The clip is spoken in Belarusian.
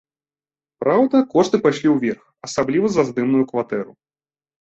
Праўда, кошты пайшлі ўверх, асабліва за здымную кватэру.